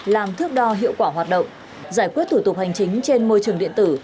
làm thước đo hiệu quả hoạt động giải quyết thủ tục hành chính trên môi trường điện tử